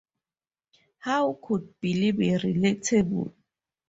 How could Billy be relatable?